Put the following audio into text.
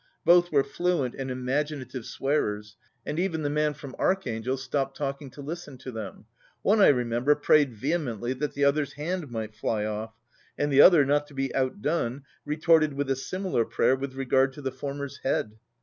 Both were fluent and imaginative swearers, and even the man from Archangel stopped talking to listen to them. One, I re member, prayed vehemently that the other's hand might fly off, and the other, not to be outdone, retorted with a similar prayer with regard to the former's head.